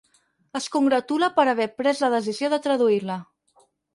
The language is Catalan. Es congratula per haver pres la decisió de traduir-la.